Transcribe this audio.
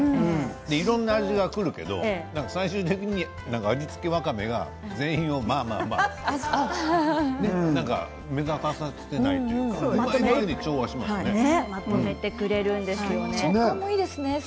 いろんな味がくるけど最終的に味付けわかめが全員をまあまあって目立たせないというか調和しますね。